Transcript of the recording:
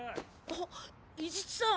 あっ伊地知さん